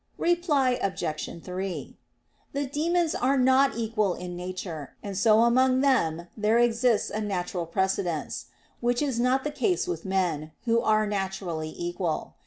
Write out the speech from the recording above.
Reply Obj. 3: The demons are not equal in nature; and so among them there exists a natural precedence; which is not the case with men, who are naturally equal.